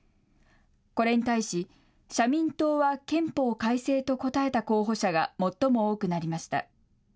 これに対し、社民党は憲法改正と答えた候補者が最も多くなりました。